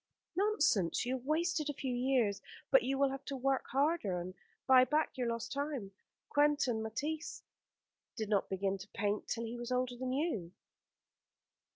"Nonsense. You have wasted a few years, but you will have to work harder and buy back your lost time. Quentin Matsys did not begin to paint till he was older than you."